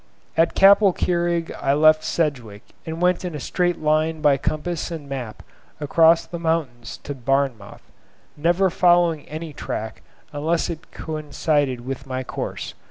At Capel Curig I left Sedgwick and went in a straight line by compass and map across the mountains to Barmouth, never following any track unless it coincided with my course.